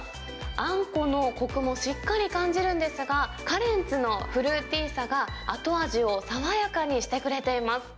あんこのこくもしっかり感じるんですが、カレンツのフルーティーさが後味を爽やかにしてくれています。